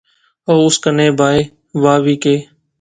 او اس کنے بائے وہا وی کہیہ